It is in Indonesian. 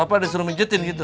apa disuruh menjutin gitu